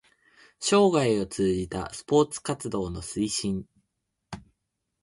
生涯を通じたスポーツ活動の推進